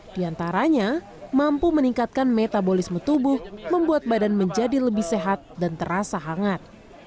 di antaranya mampu meningkatkan metabolisme tubuh membuat badan menjadi lebih sehat dan terasa hangat